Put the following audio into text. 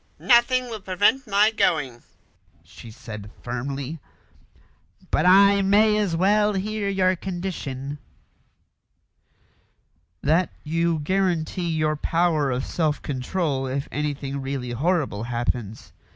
"Nothing will prevent my going," she said firmly; "but I may as well hear your condition." "That you guarantee your power of self control if anything really horrible happens.